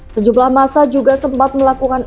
sejumlah masa juga sempat melakukan